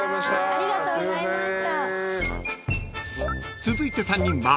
ありがとうございます。